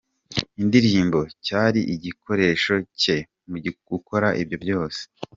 Indirimbo cyari igikoresho cye mu gukora ibyo byose.